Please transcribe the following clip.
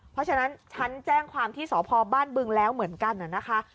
เพราะฉะนั้นฉันแจ้งความที่สพบ้านบึงแล้วเหมือนกันนะคะ